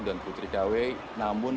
dan putri kawe namun